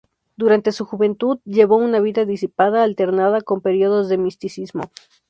Durante su juventud llevó una vida disipada, alternada con períodos de misticismo.